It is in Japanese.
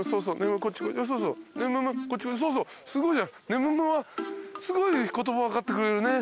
ねむむはすごい言葉分かってくれるね。